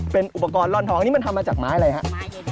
เป็นอุปกรณ์ร่อนทองอันนี้มันทำมาจากไม้อะไรฮะ